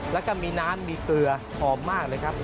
แล้วก็มีน้ำมีเกลือหอมมากเลยครับ